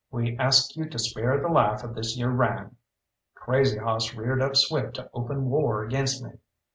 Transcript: We asks you to spare the life of this yere Ryan." Crazy Hoss reared up swift to open war against me.